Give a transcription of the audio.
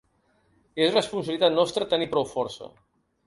És responsabilitat nostra tenir prou força.